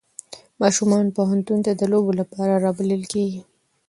ماشومان پوهنتون ته د لوبو لپاره رابلل کېږي.